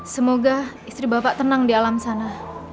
semoga istri bapak tenang di alam sana